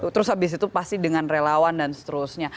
terus habis itu pasti dengan relawan dan seterusnya